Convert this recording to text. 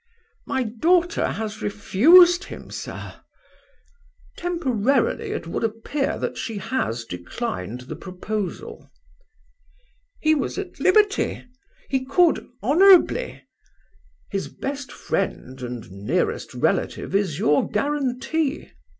"My daughter has refused him, sir?" "Temporarily it would appear that she has declined the proposal." "He was at liberty? ... he could honourably? ..." "His best friend and nearest relative is your guarantee."